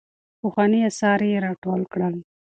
پخواني اثار يې راټول کړل.